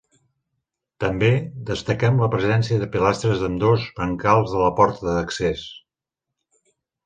També, destaquem la presència de pilastres ambdós brancals de la porta d'accés.